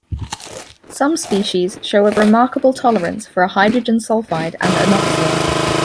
Some species show a remarkable tolerance for hydrogen sulfide and anoxia.